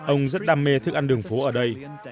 ông rất đam mê thức ăn đường phố ở đây